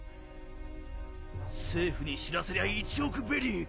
政府に知らせりゃ１億ベリー。